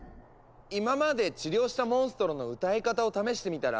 今まで治療したモンストロの歌い方を試してみたら？